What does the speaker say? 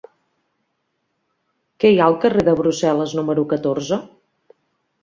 Què hi ha al carrer de Brussel·les número catorze?